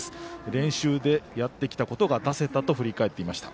練習でやってきたことが出せたと話していました。